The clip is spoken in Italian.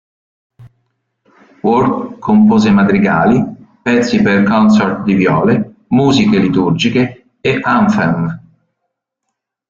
Ward compose madrigali, pezzi per consort di viole, musiche liturgiche e anthem.